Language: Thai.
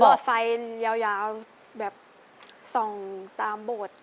คือรวบฝ่ายยาวแบบส่องตามโบสถ์